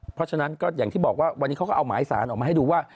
เพราะฉะนั้นก็อย่างที่บอกว่าวันนี้เขาก็เอาหมายสารออกมาให้ดูว่า